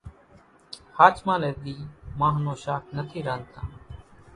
ۿاچمان ني ۮي مانۿ نون شاک نٿي رانڌتان